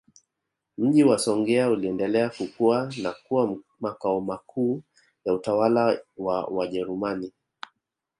Mji wa Songea uliendelea kukua na kuwa Makao makuu ya utawala wa Wajerumani